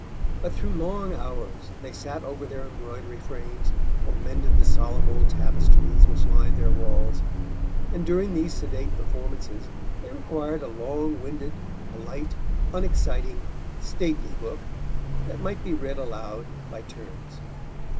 But through long hours they sat over their embroidery frames or mended the solemn old tapestries which lined their walls, and during these sedate performances they required a long winded, polite, unexciting, stately book that might be read aloud by turns.